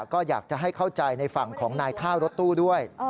ก็อยากจะให้เข้าใจในฝั่งของนายท่ารถตู้ด้วย